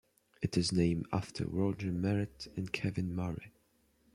It is named after Roger Merrett and Kevin Murray.